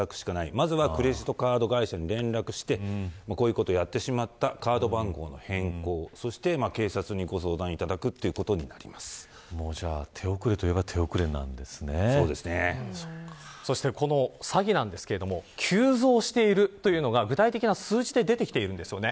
まずはクレジットカード会社に電話してこういうことやってしまったカード番号の変更そして警察にご相談いただく手遅れといえばそして、この詐欺なんですけど急増してるというのが具体的な数字ででてきているんですよね。